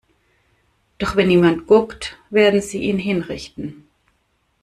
Doch wenn niemand guckt, werden sie ihn hinrichten.